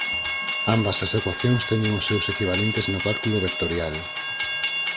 Ambas as ecuacións teñen os seus equivalentes no cálculo vectorial.